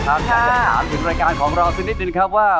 อยากจะถามถึงรายการของเราสักนิดนึงครับว่า